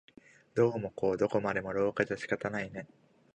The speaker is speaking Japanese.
どうもこうどこまでも廊下じゃ仕方ないね